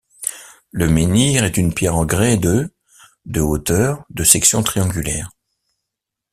Le menhir est une pierre en grès de de hauteur de section triangulaire.